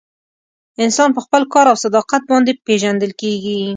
انسان په خپل کار او صداقت باندې پیژندل کیږي.